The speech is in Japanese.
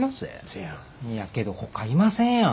いやけどほかいませんやん。